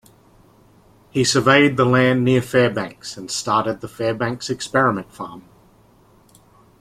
He surveyed the land near Fairbanks and started the Fairbanks Experiment Farm.